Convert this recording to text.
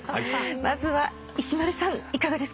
まずは石丸さんいかがですか？